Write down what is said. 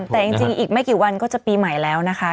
แต่จริงอีกไม่กี่วันก็จะปีใหม่แล้วนะคะ